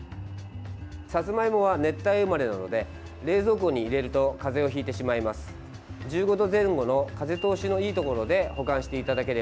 さつまいもは熱帯生まれなので冷蔵庫に入れるとかぜをひいてしまいます。